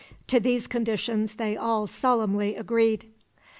To these conditions they all solemnly agreed.